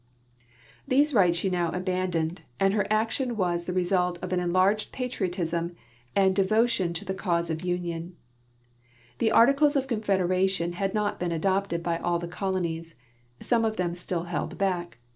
" I'hese rights she now abandoned, and her action Avas the re sult of an enlarged patriotism and devotion to the cause of GEOGRAPHIC NOTES 281 union. The articles of confederation had not been adopted by all the colonies; some of them still held back.